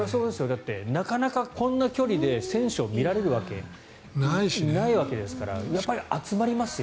だってなかなかこの距離で選手を見られることないわけですからやっぱり集まりますよ。